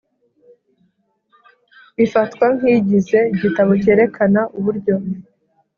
Ifatwa nk igize igitabo cyerekana uburyo